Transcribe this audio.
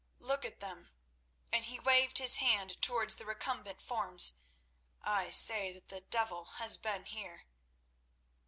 Look at them!" and he waved his hand towards the recumbent forms. "I say that the devil has been here."